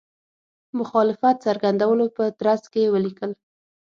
مخالفت څرګندولو په ترڅ کې ولیکل.